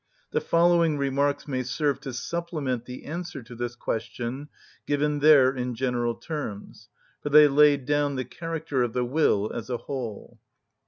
The following remarks may serve to supplement the answer to this question given there in general terms, for they lay down the character of the will as a whole.